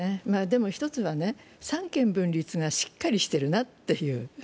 一つは三権分立がしっかりしているなっていう。